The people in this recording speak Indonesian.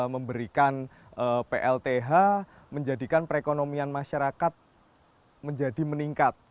memberikan plth menjadikan perekonomian masyarakat menjadi meningkat